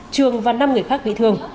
trường và năm người khác bị thương